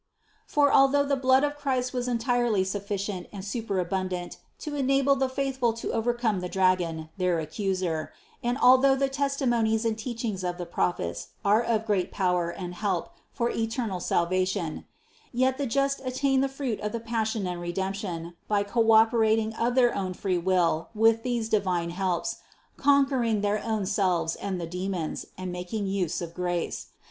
For although the blood of Christ was entirely sufficient and superabundant to en able all the faithful to overcome the dragon, their ac cuser, and although the testimonies and teachings of the Prophets are of great power and help for eternal salva tion ; yet the just attain the fruit of the Passion and Re demption, by cooperating of their own free will with these divine helps, conquering their own selves and the demons, and making use of grace.